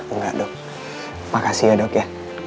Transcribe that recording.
enggak dok makasih ya dok ya